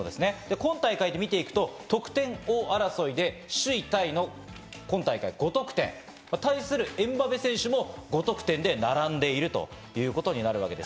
今大会で見ていくと得点王争いで首位タイの今大会５得点、対するエムバペ選手も５得点で並んでいるということになるわけです。